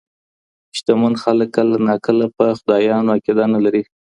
شتمن خلګ کله ناکله په خدایانو عقیده نه لري.